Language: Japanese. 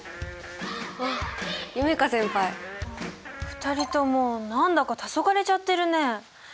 ２人とも何だかたそがれちゃってるねえ。